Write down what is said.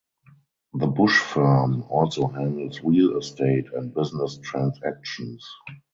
The Busch Firm also handles real estate and business transactions.